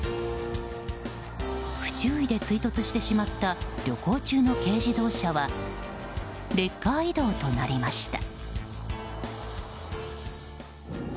不注意で追突してしまった旅行中の軽自動車はレッカー移動となりました。